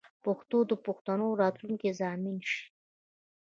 پښتو دې د پښتنو د راتلونکې ضامن شي.